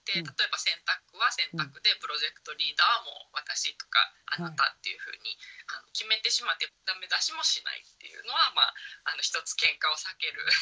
例えば洗濯は洗濯でプロジェクトリーダーは私とかあなたっていうふうに決めてしまってダメ出しもしないっていうのは一つけんかを避ける。